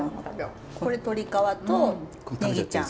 これ鶏皮とネギちゃん？